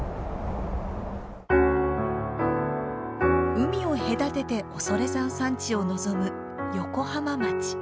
海を隔てて恐山山地を望む横浜町。